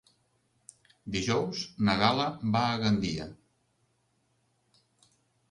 Dijous na Gal·la va a Gandia.